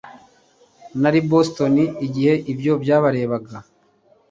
nari i boston igihe ibyo byaberaga